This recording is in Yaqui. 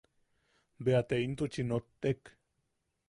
Bea te intuchi notek.